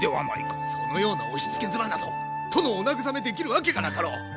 そのような押しつけ妻など殿をお慰めできるわけがなかろう。